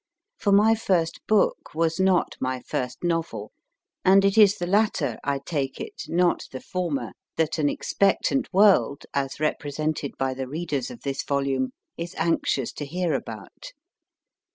For my first book was not my first novel, and it is the latter, I take it, not the former, that an expectant world, as represented by the readers of this volume, is anxious to hear about.